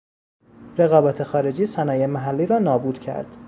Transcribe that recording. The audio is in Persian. رقابت خارجی صنایع محلی را نابود کرد.